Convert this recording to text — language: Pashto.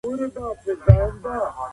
په دفترونو کي یې کارول پیل کړئ.